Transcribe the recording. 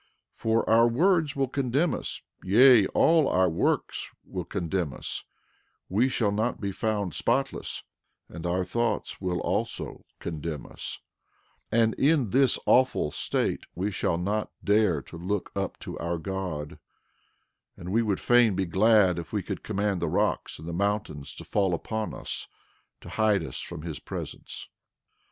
12:14 For our words will condemn us, yea, all our works will condemn us; we shall not be found spotless; and our thoughts will also condemn us; and in this awful state we shall not dare to look up to our God; and we would fain be glad if we could command the rocks and the mountains to fall upon us to hide us from his presence.